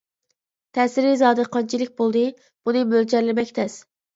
تەسىرى زادى قانچىلىك بولدى؟ بۇنى مۆلچەرلىمەك تەس.